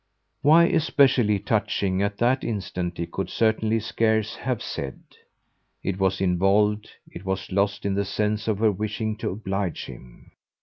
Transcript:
Why especially touching at that instant he could certainly scarce have said; it was involved, it was lost in the sense of her wishing to oblige him.